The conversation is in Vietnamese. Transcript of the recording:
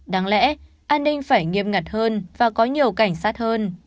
đáng lẽ an ninh phải nghiêm ngặt hơn và có nhiều cảnh sát hơn